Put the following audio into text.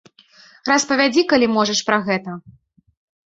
Распавядзі, калі можаш, пра гэта.